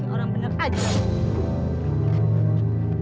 orang bener aja